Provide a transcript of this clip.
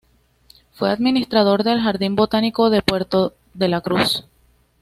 Fue administrador del Jardín Botánico del Puerto de la Cruz.